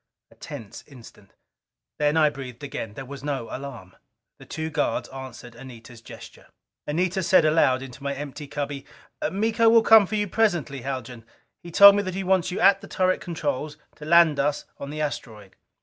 A tense instant. Then I breathed again. There was no alarm. The two guards answered Anita's gesture. Anita said aloud into my empty cubby: "Miko will come for you presently, Haljan. He told me that he wants you at the turret controls to land us on the asteroid."